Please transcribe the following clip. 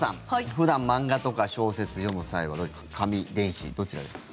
普段、漫画とか小説読む際は紙、電子、どちらですか？